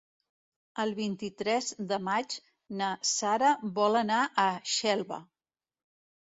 El vint-i-tres de maig na Sara vol anar a Xelva.